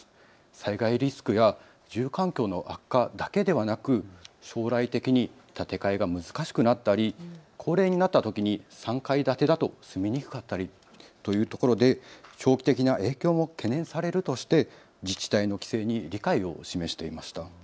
災害リスクや住環境の悪化だけではなく、将来的に建て替えが難しくなったり高齢になったときに３階建てだと住みにくかったりというところで長期的な影響も懸念されるとして自治体の規制に理解を示していました。